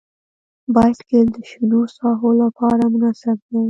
بایسکل د شنو ساحو لپاره مناسب دی.